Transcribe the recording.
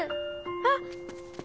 あっ！